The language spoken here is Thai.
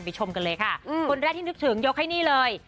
ชมกันเลยค่ะคนแรกที่นึกถึงยกให้นี่เลย